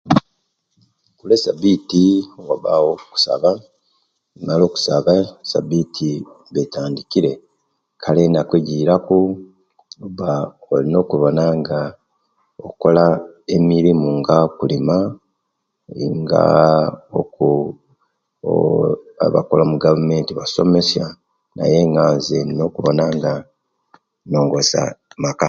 Olwasabit; wabawo okusaba, owomala okusaba esabiti eba atandikire enaku ejiraku oba olina okuwona nga okola emirimu nga okulima, nga oku aaah abakola mugavumenti basomesya naye nga nze ndina okuwona nga inongosya maka.